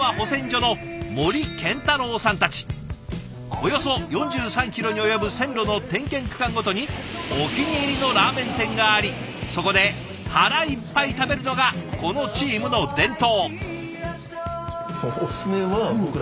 およそ４３キロに及ぶ線路の点検区間ごとにお気に入りのラーメン店がありそこで腹いっぱい食べるのがこのチームの伝統。